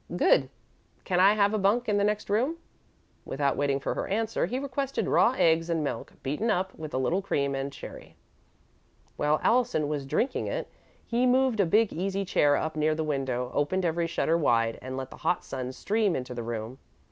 "Good. Can I have a bunk in the next room?" Without waiting for her answer, he requested raw eggs and milk, beaten up with a little cream and sherry. While Allison was drinking it, he moved a big easy chair up near the window, opened every shutter wide, and let the hot sun stream into the room.